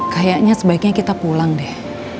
kayaknya sebaiknya kita pulang deh